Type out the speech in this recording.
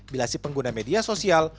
bila si pengguna media sosial